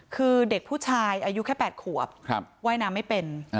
คือเด็กผู้ชายอายุแค่๘ขวบว่ายน้ำไม่เป็น